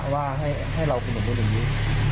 ว่าให้เราคุณแบบนู้นอย่างนี้